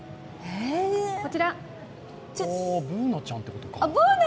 あっ、Ｂｏｏｎａちゃんってことか。